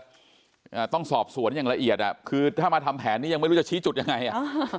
อ่าต้องสอบสวนอย่างละเอียดอ่ะคือถ้ามาทำแผนนี้ยังไม่รู้จะชี้จุดยังไงอ่ะ